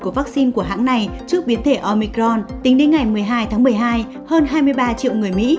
của vaccine của hãng này trước biến thể omicron tính đến ngày một mươi hai tháng một mươi hai hơn hai mươi ba triệu người mỹ